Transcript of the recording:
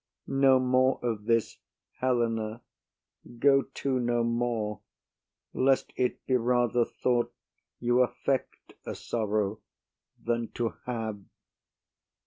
No more of this, Helena; go to, no more, lest it be rather thought you affect a sorrow than to have.